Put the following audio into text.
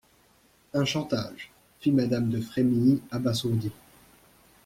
Un chantage ! fit madame de Frémilly, abasourdie.